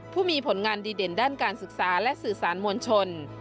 ผู้มีผลงานดีเด่นด้านการศึกษาและสื่อสารมวลชน